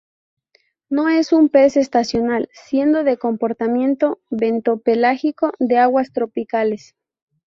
No es un pez estacional, siendo de comportamiento bentopelágico de aguas tropicales.